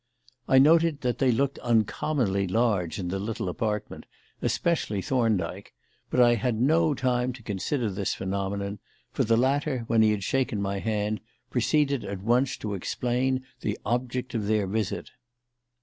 I noted that they looked uncommonly large in the little apartment, especially Thorndyke, but I had no time to consider this phenomenon, for the latter, when he had shaken my hand, proceeded at once to explain the object of their visit.